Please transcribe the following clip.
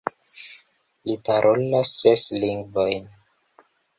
Li parolas ses lingvojn.